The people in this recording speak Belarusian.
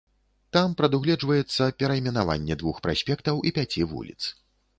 Там прадугледжваецца перайменаванне двух праспектаў і пяці вуліц.